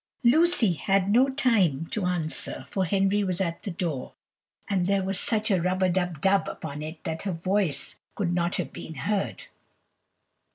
Lucy had no time to answer, for Henry was at the door, and there was such a rub a dub dub upon it that her voice could not have been heard.